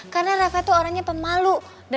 karena reva itu orangnya pemalu